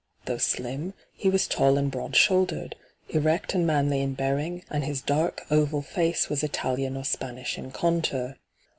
Though slim, he was tall and broad shonldered, erect and manly in bearing, and his dark, oval face was Italian or Spanish in contour.